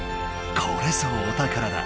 これぞお宝だ。